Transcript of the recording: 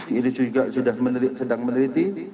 ini sudah sedang meneliti